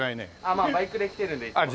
まあバイクで来てるんでいつも。